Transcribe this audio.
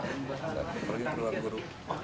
saya pergi ke ruang guru